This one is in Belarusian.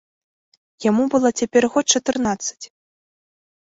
Яму было цяпер год чатырнаццаць.